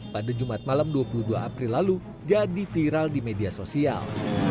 pada jumat malam dua puluh dua april lalu jadi viral di media sosial